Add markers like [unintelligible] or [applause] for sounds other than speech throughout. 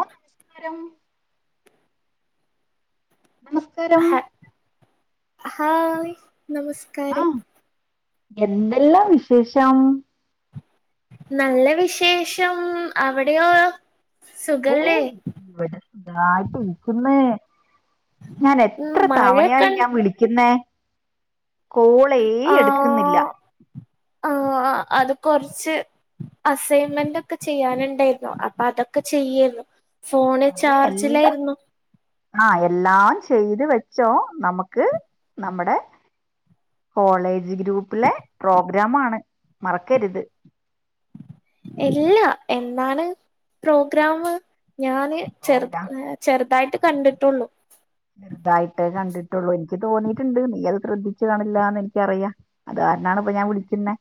ഓ [unintelligible] [unintelligible] ഹ hi നമസ്കാരം. ആഹ് എന്തെല്ലാം വിശേഷം. നല്ല വിശേഷം അവിടെയോ? സുഖല്ലേ ഓഹ് ഇവിടെ ന്താ [unintelligible] ഞാൻ ഉം എത്ര മഴയൊക്കെ തവണയായി ഉണ്ട്. ഞാൻ വിളിക്കുന്നെ കോളേ എടുക്കുന്നില്ല. ആഹ് അത് കൊറച്ച്. അസൈൻമെന്റ്ക്കെ ചെയ്യാനുണ്ടായിരുന്നു അപ്പൊ അതൊക്കെ ചെയ്യരുന്നു. ഫോണ് അതെ എല്ലാം ചാർജിലായിരുന്നു. ആഹ് എല്ലാം ചെയ്ത് വെച്ചോ നമുക്ക് നമ്മടെ കോളേജ് ഗ്രൂപ്പിലെ പ്രോഗ്രാമാണ് മറക്കരുത്. ഇല്ല എന്നാണ് പ്രോഗ്രാം ഞാന് ചെറ് പ്രോഗ്രാം ചെറുതായിട്ട് കണ്ടിട്ടുള്ളൂ. വെറുതായിട്ടേ കണ്ടിട്ടുള്ളു എനിക്ക് തോന്നിയിട്ടുണ്ട് നീയത് ശ്രദ്ധിച്ചു കാണില്ലന്ന് എനിക്കറിയാം. അത് കാരണാണ് ഇപ്പൊ ഞാൻ വിളിക്കുന്നെ.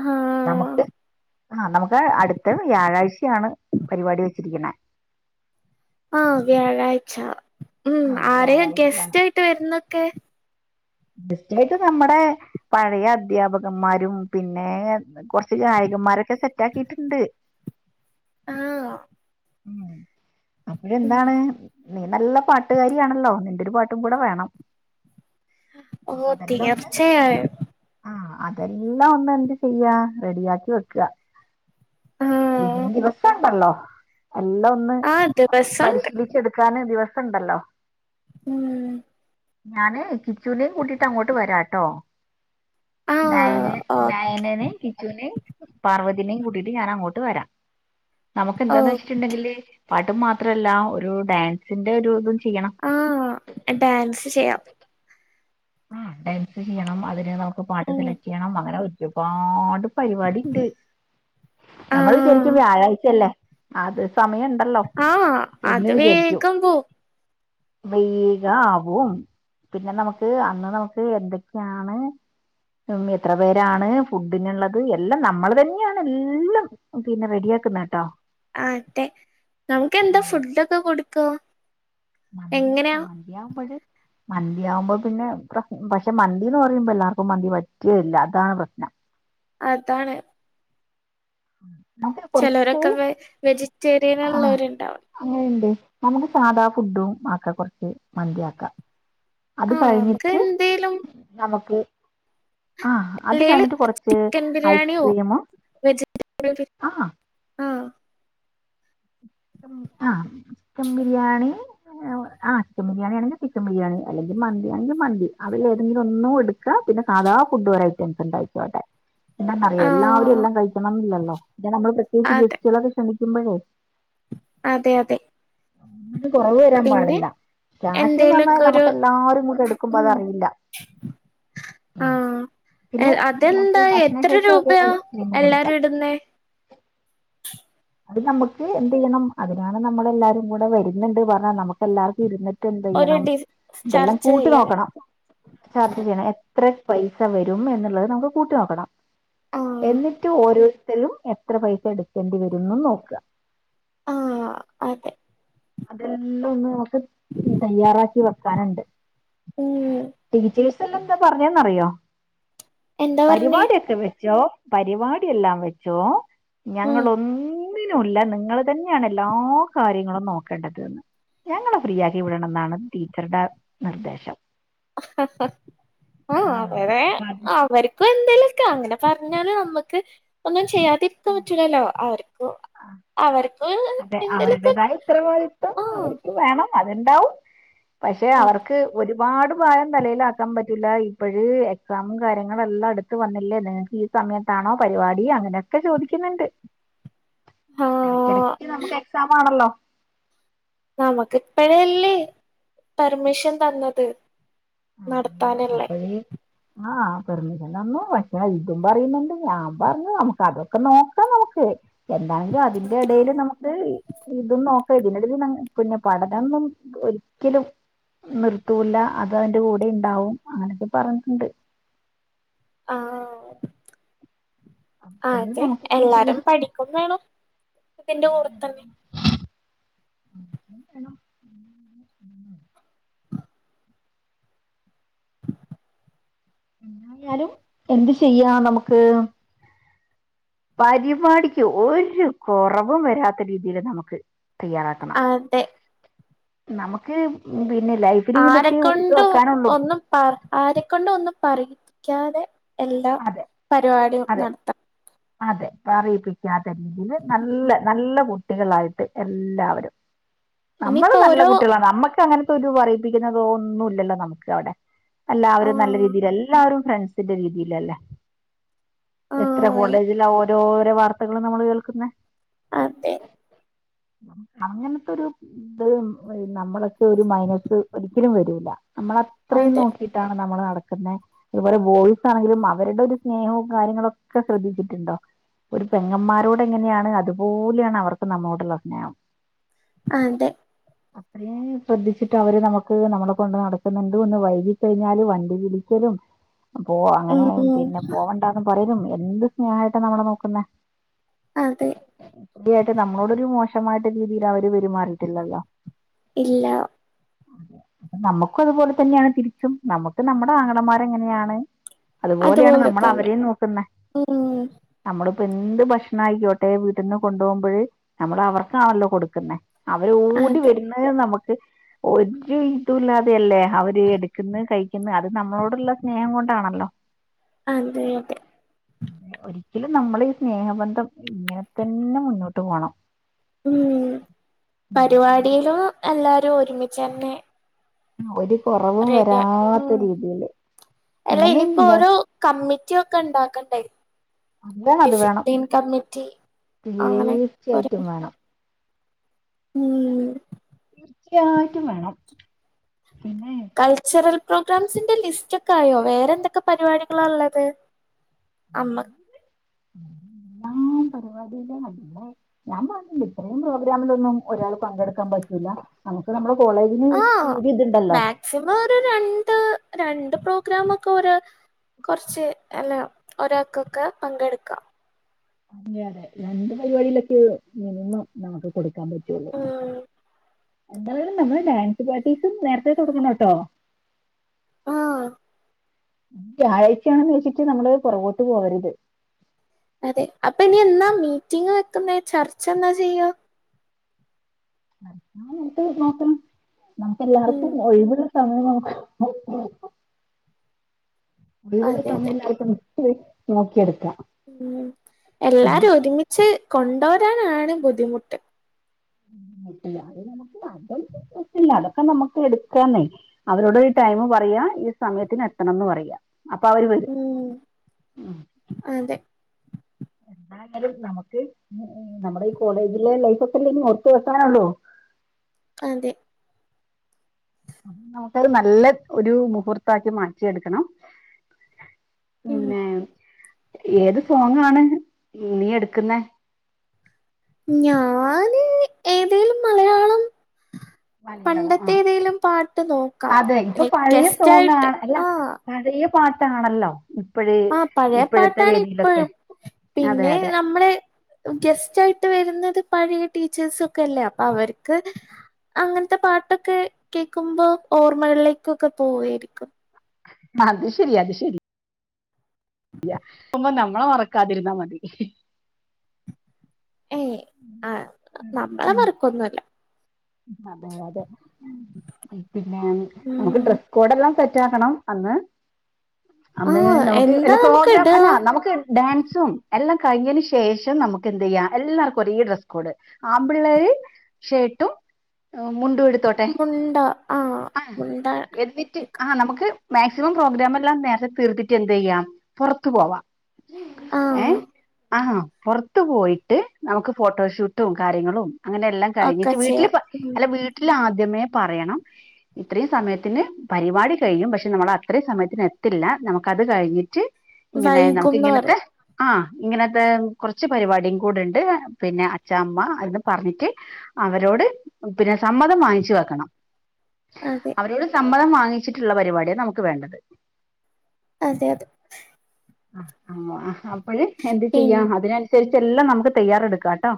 ആ നമുക്ക് അഹ് നമുക്ക് അടുത്ത വ്യാഴാഴ്ചയാണ് പരിപാടി വെച്ചിരിക്കണേ ആഹ് വ്യാഴാഴ്ച ഉം, ആഹ് ആരേലും വ്യാഴാഴ്ചയാണ് ഗെസ്റ്റ് ആയിട്ട് വരുന്നൊക്കെ. ഗ സ്റ്റായിട്ട് നമ്മടെ പഴയ അധ്യാപകന്മാരും പിന്നെ കൊറച്ചു ഗായകന്മാരൊക്കെ സെറ്റാക്കിട്ടുണ്ട്. ആഹ് ഉം അപ്പോഴ ഉം ന്താണ്. നീ നല്ല പാട്ടുകാരിയാണല്ലോ നിന്റെരു പാട്ടും കൂടെ വേണം. അപ്പൊ ഓഹ് അതെല്ലാം ഒന്ന് തീർച്ചയായും. ആഹ് അതെല്ലാം ഒന്ന് എന്ത് ചെയ്യാ റെഡിയാക്കി വെക്ക ആഹ് ഇനീം ദിവസണ്ടല്ലോ. എല്ലാം ഒന്ന് ആ ദിവസണ്ട് പരിശീലിച്ചെടുക്കാൻ ദിവസണ്ടല്ലോ. ഉം ഞാന് കിച്ചൂനേം കൂട്ടീട്ട് അങ്ങോട്ട് വരാട്ടോ. നയന ആഹ് ഓ നയനനേം കിച്ചൂനേം പാർവതി നേം കൂട്ടീട്ട് ഞാൻ അങ്ങോട്ട് വരാം. നമുക്ക് ഓ എന്താന്ന് വച്ചിട്ടുണ്ടെങ്കില് പാട്ടും മാത്രല്ല ഒരു ഡാൻസിന്റെ ഒരു ഇതും ചെയ്യണം. ആ ഡാൻസ് ചെയ്യാ. ആ ഡാൻസ് ചെയ്യണം അതിനെ നമുക്ക് പാട്ട് ഉം സെലക്ട് ചെയ്യണം അങ്ങനെ ഒരുപാട് പരിപാടി ഇണ്ട് നമ്മൾ ആഹ് വിചാരിക്കും വ്യാഴാഴ്ചല്ലേ അത് സമയ ണ്ടല്ലോ ആഹ് എന്ന് അത് വിചാരിക്കും. വേഗം പോവും വേഗാവും പിന്നെ നമു ക്ക് അന്ന് നമുക്ക് എന്തൊക്കെയാണ്. ഉം എത്ര പേരാണ് ഫുഡിനുള്ളത് എല്ലാം നമ്മൾ തന്നെയാണ് എല്ലം ഓ പിന്നെ റെഡിയാക്ക്ന്നേ ട്ടോ. ആതെ നമുക്കന്താ ഫുഡക്കെ കൊടുക്ക? മന്തിയാക്കാ മന്തിയാവുമ്പഴ് മന്തിയാവുമ്പോ പിന്നെ പ്ര പക്ഷെ മന്തിന്ന് പറയുമ്പോ എല്ലാർക്കും മന്തി പറ്റില്ല അതാണ് പ്രശ്നം. അതാണ് ഉം ചെലോരക്കെ വെ വെജിറ്റേറിയൻ ഇള്ളവര്ണ്ടാവും. അങ്ങണ്ട് നമുക്ക് സാധാ ഫുഡും ആക്ക കൊർച്ച് മന്തി ആക്കാ. അത് ആഹ് നമുക്ക് കഴിഞ്ഞിട്ട് എന്തേലും നമുക്ക് ആ അത് അല്ലേല് കഴിഞ്ഞിട്ട് കൊറച്ച് ചിക്കൻ ബിരിയാണിയോ ഐസ്ക്രീമും വെജിറ്റബിൾ ബിരി ആ ആഹ് ചിക്കം ആ ചിക്കൻ ബിരിയാണി ആ ചിക്കൻ ബിരിയാണി ആണങ്കിൽ ചിക്കൻ ബിരിയാണി എല്ലെങ്കിൽ മന്തി ആണെങ്കിൽ മന്തി അവൾ ഏതെങ്കിലും ഒന്നും എടു ക്ക പിന്നെ സാധാ ഫുഡ് [unintelligible] ഐറ്റംസ് ഉണ്ടായിക്കോട്ടെ. എന്നന്തന്നറിയോ എല്ലാവരും ആഹ് എല്ലാം കഴിക്കണംന്നില്ലല്ലോ പിന്നെ നമ്മൾ പ്രത്യേകിച്ച് അതെ ജസ്റ്റുകളൊക്കെ ക്ഷണിക്കുമ്പഴേ അതെ അതെ അത് കൊറവ് വരാൻ പിന്നെ പാടില്ല [unintelligible] എന്തേലൊക്കെ പറഞ്ഞാൽ ഒരു നമുക്കല്ലാരും കൂടെ എടുക്കുമ്പോ ഉം അതറിയില്ല. ഉം ആഹ് പിന്നെ അതെന്താ നോക്ക് എത്ര ഭക്ഷണശേഷം ഒരു രൂപയാ ഐസ്ക്രീം എല്ലാരും കൊടുക്കാം. ഇടുന്നേ അത് നമുക്ക് എന്ത് ചെയ്യണം അതിനാണ് നമ്മള് എല്ലാവാരും കൂടെ വരുന്നുണ്ട് പറഞ്ഞാൽ നമുക്ക് എല്ലാവർക്കും ഇരുന്ന ട്ട് ഒരു എന്തയ്യണം ഡിസ് ഇതെല്ലാം ചർച്ച കൂട്ടി ചെയ്യാൻ നോക്കണം. ചർച്ച ചെയ്യണം എത്ര പൈസ വരും എന്നുള്ളത് നമുക്ക് കൂട്ടി നോക്കണം. ആഹ് എന്നിട്ട് ഓരോരുത്തരും എത്ര പൈസ എടുക്കേണ്ടി വരുംന്ന് നോക്ക. ആ അതെ അതെല്ലം ഒന്ന് നമുക്ക് തയ്യാറാക്കി വെക്കാനുണ്ട്. ഉം എയ്സല്ലന്ത പറഞ്ഞേന്നറിയോ എന്താ പറഞ്ഞേ പരിപാടിയൊക്കെ വെച്ചോ പരിപാടി എല്ലാം വെച്ചോ ഉം ഞങ്ങളൊ ഒന്നിനുല്ല നിങ്ങൾ തന്നെയാണ് എല്ലാ കാര്യങ്ങളും നോക്കേണ്ടത് ന്ന് ഞങ്ങളെ ഫ്രീയാ ക്കി വിടണം എന്നാണ് ടീച്ചർടെ നിർദ്ദേശം. ആ ആഹ് അവരെ അപ്പൊ അത് അവര് ഇപ്പൊ എന്തേലൊക്കെ അങ്ങനെ പറഞ്ഞാല് നമ്മുക്ക് ഒന്നും ചെയ്യാതിരിക്കാൻ പറ്റൂലല്ലോ അവർക്കോ ആ അതെ അവരുടേതായ [unintelligible] ആഹ് അവർക്ക് വേണം. അത്ണ്ടാവും പക്ഷെ അവർക്ക് ഒരുപാട് ഭാരം തലേലാക്കാൻ പറ്റില്ല ഇപ്പഴ് എക്സാമും കാര്യങ്ങളെല്ലാം അടുത്ത് വന്നില്ലേ നിങ്ങൾക്ക് ഇ സമയത്താണോ പരിപാടി അങ്ങനെ ക്കെ ചോദിക്കുന്നുണ്ട് ആഹ് എടക്കടക്ക് നമ്മക്ക് എക്സാം ആണല്ലോ നമുക്ക് ഇപ്പഴല്ലേ പെർമിഷൻ തന്നത് അങ്ങനെ നടത്താനല്ലേ അപ്പഴേ ആഹ് പെർമിഷൻ തന്നു പക്ഷെ ഇതും പറയുന്നുണ്ട് ഞാൻ പറഞ്ഞു നമുക്ക് അതൊക്കെ നോക്കാം നമുക്ക് എന്തായ്ലും അതിന്റെ എടയില് ആഹ് നമു ഇത് ഇതും നോക്കാം ഇതിനെടീൽ നമു പിന്നെ പഠനം ഒന്നും ഒരിക്കലും നിർത്തൂല്ല അതഅതിന്റെ കൂടെ ഇണ്ടാവും അങ്ങനൊക്കെ പറഞ്ഞിണ്ട് ആഹ് അപ്പോഴും ആതെ നമുക്ക് എന്ത് ചെയ്യാം എല്ലാരും പഠിക്കും വേണം ഇതിന്റെ കൂടെതന്നെ വേണം ന്നാലും എന്ത് ചെയ്യാ നമുക്ക് പരിപാടിക്ക് ഒര് കാെറവും വരാത്ത രീതിയില് നമുക്ക് തയ്യാറാക്കാം അതെ നമുക്ക് പിന്നെ ലൈഫില് ഇതൊക്കെ ഓർത്ത് വെക്കാനൊള്ളൂ പാ ആരെക്കൊണ്ടഒന്നും പറയിപ്പിക്കാതെ എല്ലാ അതെ പരിപാടിയും അതെ നടത് അതെ പറയിപ്പിക്കാത്ത രീതീല് നല്ല നല്ല കുട്ട് കുട്ടികളായിട്ട് എല്ലാവരും നമ്മളും ഇനിയിപ്പോ നല്ല ഓരോ കുട്ട്യാളാണ് നമക്ക് അങ്ങനെ ട്ടൊരു പറയിപ്പിക്കുന്നതോന്നുല്ലല്ലോ നമുക്ക് അവിടെ ആ എല്ലാവരും നല്ല രീതിയില് എല്ലാവരും ഫ്രണ്ട്സ് സിന്റെ രീതീലല്ലേ ആ കോളേജില് ഒരോരാ വാർത്തകളും നമ്മൾ കേൾക്കുന്ന അതെ അങ്ങനത്തൊരു. ഇപ്പളും നമ്മളൊക്കെ ഒരു മൈനസ് ഒരിക്കലും വരൂല്ല നമ്മള അത്രയും അതെ നോക്കിട്ടാണ് ഒക്കെ ശ്രദ്ധിച്ചിട്ടുണ്ടോ ഒരു പെങ്ങന്മാരോട് എങ്ങനെയാണ് അതുപോലെയാണ് അവർക്ക് നമ്മളോടുള്ള സ്നേഹം അതെ [inaudible] അത്രീം ശ്രദ്ധിച്ചിട്ട് അവര് നമുക്ക് നമ്മളെ കൊണ്ട് നടക്കുന്നുണ്ട് ഒന്ന് വൈകി കഴിഞ്ഞാല് വണ്ടി വിളിക്കലും [inaudible] പോ അങ്ങനെ ഉം പിന്നെ പോവണ്ടാന്നും പറയലും എന്ത് സ്നേഹായിട്ടാ നമ്മളെ നോക്കുന്നെ അതെ ഇതിയായിട്ട് നമ്മളോടൊരു മോശമായിട്ട് ഒരു രീതിയിൽ അവര് പെരുമാറിയിട്ടില്ലല്ലോ ഇല്ലാ അതെ നമ്മക്കും അതുപോലെ തന്നെയാണ് തിരിച്ചും നമുക്ക് നമ്മടെ ആങ്ങളമാര് എങ്ങനെയാണ് അതുപോലെ തന്നെ ഉം നമ്മളിപ്പൊ എന്ത് ഭക്ഷണം ആയിക്കോട്ടെ വീട്ട്ന്ന് കൊണ്ടുപോകുമ്പഴ് നമ്മള് അവർക്കാണല്ലോ കൊടുക്കുന്നെ അവര് ഓടി അതെ വരുന്നത് നമക്ക് ഒരു ഇതുല്ലാതെയല്ലേ അവര് എടുക്കുന്ന് കഴിക്കുന്ന് അത് നമ്മളോടുള്ള സ്നേഹം കൊണ്ടാണല്ലോ അതെ അതെ അതെ ഒരിക്കലും നമ്മള് ഈ സ്നേഹബന്ധം ഇങ്ങനെ തന്നെ മുന്നോട്ട് പോണം ഉം പരിപാടിയിലും എല്ലാരും ഒരുമിച്ചന്നെ ആഹ് ഒരു കാെറവും റെഡിയ ഉം വരാത്ത രീതിയില് അല്ല ഇനിപ്പോ ഓരോ കമ്മിറ്റിഒക്കെ ഇണ്ടാക്കണ്ടേ അത് വേണം അത് വേണം ഡിസിപ്ലിൻ കമ്മിറ്റി അങ്ങനെ തീർച്ചയായിട്ടും കൊറേണ്ട് വേണം ഉം തീർച്ചയായിട്ടും വേണം പിന്നെ കൾച്ചറൽ പ്രോഗ്രാംസിന്റെ ലിസ്റ്റ് ഒക്കെ ആയോ വേറെ എന്തൊക്കെ പരിപാടികളാ ഉള്ളത് [inaudible] അമ്മ ഞാൻ പറഞ്ഞില്ലേ ഇത്രയും പ്രോഗ്രാമിലൊന്നും ഒരാൾ പങ്കെടുക്കാൻ പറ്റൂല നമുക്ക് നമ്മുടെ കോളേജിന് ആഹ് ഒരു ഇതുണ്ടല്ലോ മാക്സിമം ഒരു രണ്ട് രണ്ട് പ്രോഗ്രാമൊക്കെ ഒരാ കുറച്ച് അല്ല ഒരാൾക്കൊക്കെ പങ്കെടുക്കാം അതെ അതെ രണ്ട് പരിപാടിയിലൊക്കെ മിനിമം നമുക്ക് കൊടുക്കാൻ പറ്റുള്ളൂ ഉം എന്തായാലും നമ്മള് ഡാൻസ് പാർട്ടീസും നേരത്തെ തുടങ്ങണം ട്ടോ ആഹ് വ്യാഴാഴ്‌ചയാണന്ന് വെച്ചിട്ട് നമ്മള് പുറകോട്ട് പോകരുത് അതെ അപ്പൊ ഇനി എന്നാ മീറ്റിംഗ് വെക്കുന്നേ ചർച്ച എന്നാ ചെയ്യുക ട്ട് നോക്കാം നമുക്ക് ഉം എല്ലാവർക്കും ഒഴിവുള്ള സമയം നമുക്ക് ഒഴിവുള്ള അതെ ടൈം അതെ എല്ലാർക്കും നോക്കിയെടുക്കാം ഉം എല്ലാരും ഒരുമിച്ച് കൊണ്ടൊരാനാണ് ബുദ്ധിമുട്ട് ട്ടില്ല അത് നമുക്ക് അതോന്നും പ്രശ്നല്ല അതൊക്കെ നമുക്ക് എടുക്കാന്നേ അവരോട് ടൈം പറയാ ഈ സമയത്തിന് എത്തണംന്ന് പറയാ അപ്പൊ അവര് വരും ഉം ഉം. അതെ എന്നാലും നമുക്ക് നമ്മുടെ ഈ കോളേജിലെ ലൈഫ് ഒക്കെലെ ഓർത്ത് വക്കാന്ള്ളു. അതെ ആ നമുക്ക്ത് നല്ല ഒരു മുഹൂർത്തക്കി മാറ്റിയെടുക്കണം. ഉം പിന്നെ ഏത് സോങ്ങാണ് നീ എടുക്കുന്നെ ഞാന് ഏതേലും മലയാളം മലയാളം ആ പണ്ടത്തെ ഏതേലും പാട്ട് നോക്കാം അതെ ലൈക്‌ ഗസ്റ്റ് ആയിട്ട് ആ അതിൽ പാട്ടാണല്ലോ ഇപ്പഴേ ആ പഴയ പാട്ടാണ് ഇപ്പഴും അതെ പിന്നെ അതെ നമ്മളെ ഗെസ്റ്റ് ആയിട്ട് വരുന്നത് പഴയ ടീച്ചേഴ്സെക്കെ അല്ലേ അപ്പൊ അവർക്ക് അങ്ങനത്തെ പാട്ടൊക്കെ കേക്കുമ്പോ ഓർമ്മകളിലേക്കൊക്കെ പോവായിരിക്കും. അത് ശരി അത് ശരി കിട്ടുമ്പോ നമ്മളെ മറക്കാതിരുന്നാ മതി ഏയ് ആ നമ്മളെ ഉം മറക്കൊന്നുല്ല അതെ അതെ പിന്നെ നമുക്ക് ഉം ഡ്രസ് കോഡ്ല്ലാം സെറ്റ് ആക്കണം അന്ന് അന്ന് ആഹ് നമുക്ക് എന്താ വല്ല നമുക്ക് പ്രോഗ്രാം ഇടാ? അല്ല നമുക്ക് ഡാൻസും എല്ലാം കഴിഞ്ഞതിന് ശേഷം നമുക്ക് എന്ത് ചെയ്യ്യാം എല്ലാർക്കും ഒരേ ഡ്രസ്സ് കോഡ് അമ്പിള്ളർ ഷേട്ടും മുണ്ടും എടുത്തോട്ടെ മുണ്ട ആഹ് ആ മുണ്ട എന്നിറ്റ് എടുക്ക ആഹ് നമുക്ക് മാക്സിമം പ്രോഗ്രാം എല്ലാം നേരത്തെ തീർത്തിട്ട് എന്ത് ചെയ്യാം പുറത്തു പോവാ ആഹ് ഏഹ് ആ പുറത്തു പോയിട്ട് നമുക്ക് ഫോട്ടോഷൂട്ടും കാര്യങ്ങളും അങ്ങനെ എല്ലാം ഒക്കെ കഴിഞ്ഞിട്ട് വീട്ടില് ചെയ്യാം. ഉം അല്ല വീട്ടിൽ ആദ്യമേ പറയണം ഇത്രയും സമയത്തിന് പരിപാടി കഴിയും പക്ഷെ നമ്മൾ അത്രയും സമയത്തിന് എത്തില്ല നമ്മുക്ക് അത് കഴിഞ്ഞിട്ട് ഇങ്ങനെ നമുക്ക് വൈകുംന്ന് ഇങ്ങനത്തെ പറയാ ആഹ് ഇങ്ങനത്തെ കുറച്ച് പരിപാടിയും കൂടെ ഉണ്ട് പിന്നെ അച്ചാഅമ്മ ഇന്ന് പറഞ്ഞിട്ട് അവരോട് പിന്നെ സമ്മതം വാങ്ങിച്ചു വെക്കണം. അതെ അവരോട് സമ്മതം വാങ്ങിച്ചിട്ടുള്ള പരിപാടിയാണ് നമുക്ക് വേണ്ടത്. അതെ അത് ആഹ് ആഹ് അപ്പോയ് എന്ത് പിൻ ചെയ്യാം അതിന് [unintelligible] അനുസരിച് നമുക്ക് തയ്യാറെടുക്കാട്ടോ.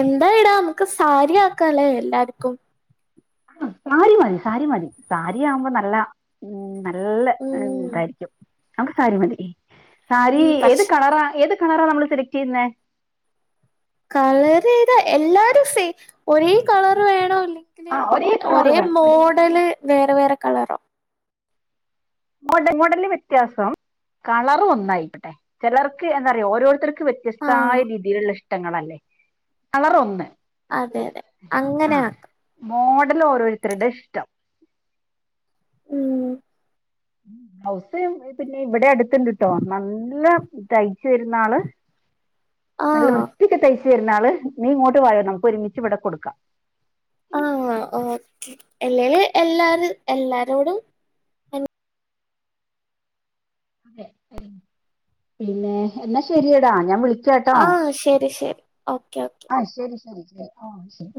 എന്താ ഇടാ നമുക്ക് സാരിയാക്കല്ലേ എല്ലാർക്കും. ആ സാരി മതി സാരി മതി സാരിയാവുമ്പോ നല്ല നല്ല ഉം ഇതായിരിക്കും നമുക്ക് സാരി മതി സാരി ഉം ഏത് പക്ഷെ കളറ ഏത് ഏത് കളറാ നമ്മൾ സെലക്ട് ചെയ്യുന്നുന്നത്? കളർ ഏതാ എല്ലാരും സെയിം ഒരേ കളർ വേണോ ആ കളർ ഒരേ വേണം മോഡല് വേറെ വേറെ കളറോ? മോഡല് വ്യത്യാസം കളർ ഒന്നായിക്കട്ടെ ചെലർക്ക് എന്താ അറിയോ ഓരോതർക്ക് [unintelligible] ആഹ് വ്യത്യസ്തമായ രീതിയിലുള്ള ഇഷ്ടങ്ങളല്ലേ കളറ ഒന്ന് അതെ അതെ ആ അങ്ങനെക്കാം. മോഡൽ ഓരോരുത്തരുടെയും ഇഷ്ടം. ഉം ബ്ലോസ് പിന്നെ ഇവിടെ അടുത്ത്ണ്ട്ട്ടോ നല്ല തയ്ച്ചു തരുന്ന ആള്. നല്ല ആഹ് വൃത്തിക്ക് തയ്ച്ചു ആള് നീ ഇങ്ങോട്ട് വായോ നമുക്ക് ഒരുമിച്ചുവിടെ കൊടുക്കാം. ആഹ് ആ ഓക്കെ അല്ലെല് എല്ലാരും എല്ലാരോടും അൻ അതെ പിന്നെ എന്നാ ശരിയടാ ഞാൻ വിളിക്കാ അഹ് ശരി ശരി ഓക്കെ ഓക്കെ ആഹ് ശരി ശരി ട്ടോ ശരി ആ ശരി